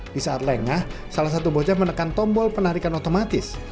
di saat lengah salah satu bocah menekan tombol penarikan otomatis